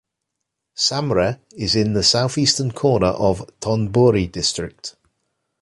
Samre is in the southeastern corner of Thon Buri District.